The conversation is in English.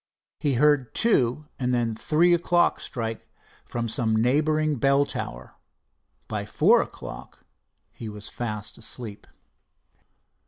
He heard two and then three o'clock strike from some neighboring bell tower. By four o'clock he was fast asleep.